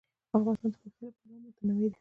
افغانستان د پکتیا له پلوه متنوع دی.